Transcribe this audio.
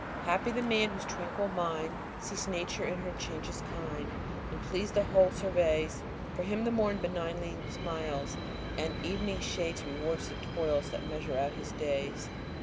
"Happy the man whose tranquil mind Sees Nature in her changes kind, And pleased the whole surveys; For him the morn benignly smiles, And evening shades reward the toils That measure out his days.